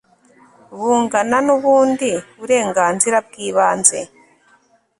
bungana n'ubundi burenganzira bw'ibanze